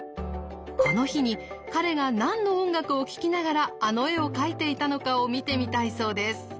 この日に彼が何の音楽を聴きながらあの絵を描いていたのかを見てみたいそうです。